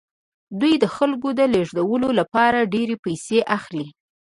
دوی د خلکو د لیږدولو لپاره ډیرې پیسې اخلي